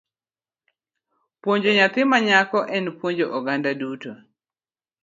Puonjo nyathi ma nyako en puonjo oganda duto.